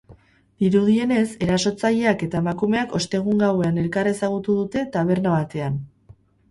Dirudienez, erasotzaileak eta emakumeak ostegun gauean elkar ezagutu dute, taberna batean.